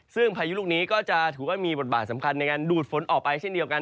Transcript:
ซึ่งพายุลูกนี้ก็จะถือว่ามีบทบาทสำคัญในการดูดฝนออกไปเช่นเดียวกัน